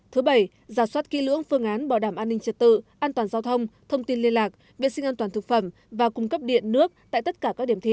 thứ bảy giả soát kỹ lưỡng phương án bảo đảm an ninh trật tự an toàn giao thông thông tin liên lạc vệ sinh an toàn thực phẩm và cung cấp điện nước tại tất cả các điểm thi